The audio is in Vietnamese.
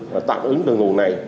và tạm ứng từ nguồn này